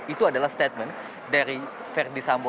itu adalah statement dari verisambu